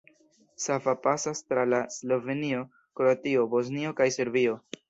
Sava pasas tra Slovenio, Kroatio, Bosnio kaj Serbio.